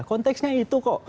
konteksnya itu kok